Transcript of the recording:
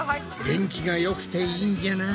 元気がよくていいんじゃない！